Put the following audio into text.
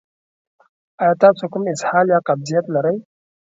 ایا تاسو کوم اسهال یا قبضیت لرئ؟